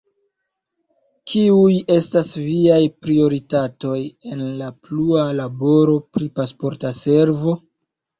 Kiuj estas viaj prioritatoj en la plua laboro pri Pasporta Servo?